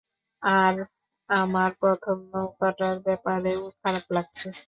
আর আমার প্রথম নৌকাটার ব্যাপারেও খারাপ লাগছে।